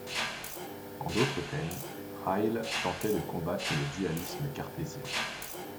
En d'autres termes, Ryle tentait de combatte le dualisme cartésien.